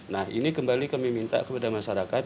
nah ini kembali kami minta kepada masyarakat